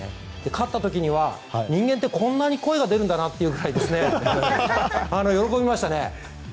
勝った時には人間ってこんなに声が出るんだというくらい喜びましたね。